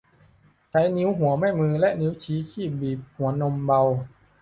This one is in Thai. ใช้นิ้วหัวแม่มือและนิ้วชี้คีบบีบหัวนมเบา